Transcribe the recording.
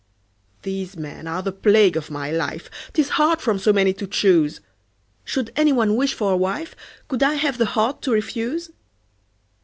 These men are the plague of my life: 'Tis hard from so many to choose! Should any one wish for a wife, Could I have the heart to refuse?